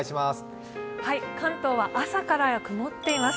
関東は朝から曇っています。